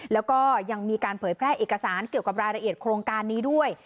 แล้วก็ยังมีการเผยแพร่เอกสารเกี่ยวกับรายละเอียดโครงการนี้ด้วย